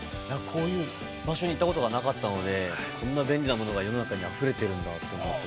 ◆こういう場所に行ったことがなかったので、こんな便利なものが世の中にあふれてるんだと思って。